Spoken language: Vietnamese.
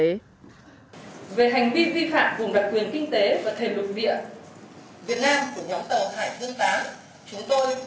về hành vi vi phạm vùng đặc quyền kinh tế và thềm lục địa việt nam của nhóm tàu hải dương viii